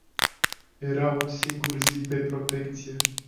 Era un singur zid de protecție.